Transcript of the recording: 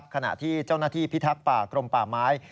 ขณะที่เจ้าหน้าที่พิทักษ์ป่ากรมป่าไม้